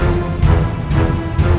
aku akan menang